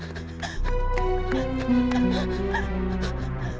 oh tuhan berjalan jalan